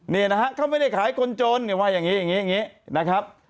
เนี่ยนะฮะเขาไม่ได้ขายคนจนอย่างนี้นะครับ